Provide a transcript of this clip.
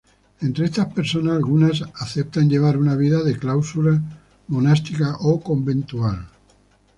Entre estas personas, algunas aceptan llevar una vida de clausura monástica o conventual.